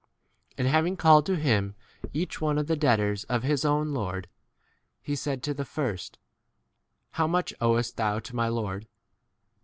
8 5 And having called to [him] each one of the debtors of his own lord, he said to the first, How much owest thou to my lord